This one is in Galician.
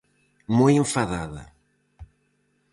Moi enfadada.